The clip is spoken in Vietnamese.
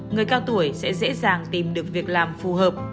người cao tuổi sẽ dễ dàng tìm được việc làm phù hợp